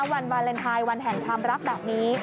วันวาเลนไทยวันแห่งความรักแบบนี้